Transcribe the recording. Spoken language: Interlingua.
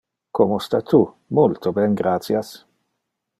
Como sta tu? Multo ben, gratias.